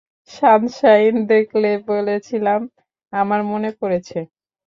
Sunshine দেখলে, বলেছিলাম, আমার মনে পড়েছে।